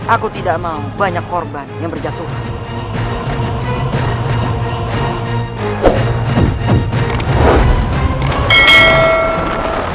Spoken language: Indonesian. aku tidak mau banyak korban yang berjatuhan